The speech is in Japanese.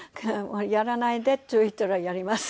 やらないでって言われたらやります。